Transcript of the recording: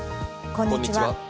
こんにちは。